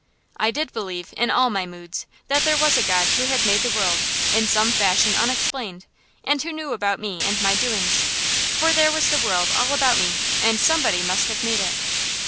I did believe, in all my moods, that there was a God who had made the world, in some fashion unexplained, and who knew about me and my doings; for there was the world all about me, and somebody must have made it.